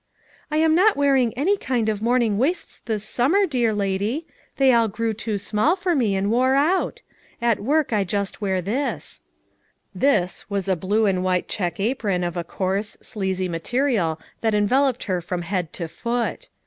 "I am not wearing any kind of morning waists this summer, dear lady; they all grew too small for me, and wore out. At work I just wear this." "This" was a blue and white FOUR MOTHERS AT CHAUTAUQUA 159 check apron of a coarse, sleazy material that enveloped her from head to foot.